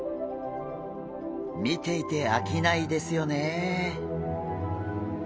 見ていてあきないですよねえ。